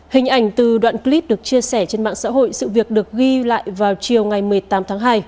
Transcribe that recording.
hình ảnh từ đoạn clip được chia sẻ trên mạng xã hội sự việc được ghi lại vào chiều ngày một mươi tám tháng hai